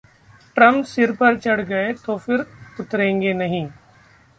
Trump सिर पर चढ़ गए, तो फिर उतरेंगे नहीं